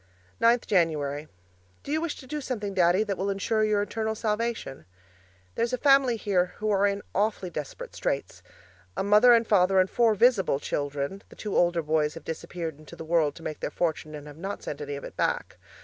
9th January Do you wish to do something, Daddy, that will ensure your eternal salvation? There is a family here who are in awfully desperate straits. A mother and father and four visible children the two older boys have disappeared into the world to make their fortune and have not sent any of it back.